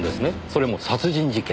それも殺人事件。